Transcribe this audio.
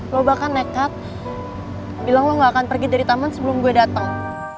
lo bahkan nekat bilang lo gak akan pergi dari taman sebelum gue datang